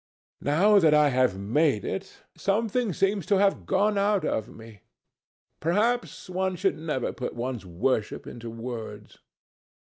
Now that I have made it, something seems to have gone out of me. Perhaps one should never put one's worship into words."